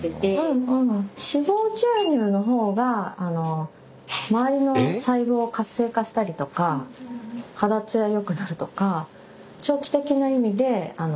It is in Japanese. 脂肪注入の方があの周りの細胞を活性化したりとか肌艶よくなるとか長期的な意味でいい結果が出てます。